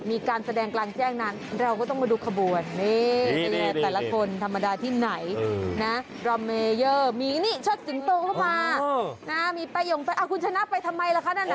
มีสิงโตเข้ามามีป่าหย่งพักอ่ะคุณชนะไปทำไมล่ะคะนั่นน่ะ